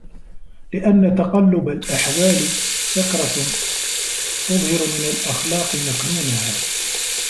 لِأَنَّ تَقَلُّبَ الْأَحْوَالِ سَكَرَةٌ تُظْهِرُ مِنْ الْأَخْلَاقِ مَكْنُونَهَا